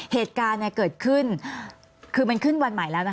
เหตุการณ์เกิดขึ้นคือมันขึ้นวันใหม่แล้วนะ